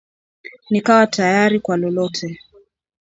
Nikawa tayari Kwa lolote